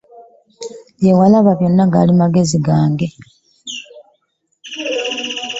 Bye walaba byonna gaali magezi gange.